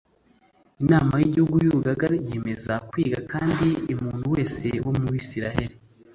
inama y igihugu y urugaga yiyemeza kwiga kandi umuntu wese wo mu bisirayeli